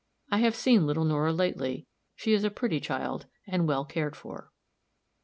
I have seen little Nora lately; she is a pretty child, and well cared for. CHAPTER X.